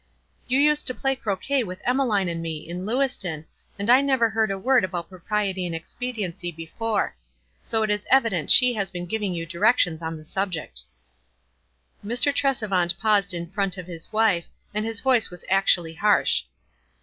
You used to play croquet with Einmc line and me, in Lewiston, and I never heard a word about propriety and expediency before; so it is evident she has been giving 3*ou direc tions on the subject." Mr. Tresevant paused in front of his wife, and his voice was actually harsh.